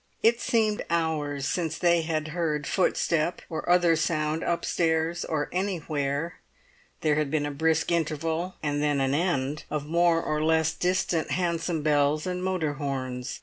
It seemed hours since they had heard footstep or other sound upstairs or anywhere. There had been a brisk interval—and then an end—of more or less distant hansom bells and motor horns.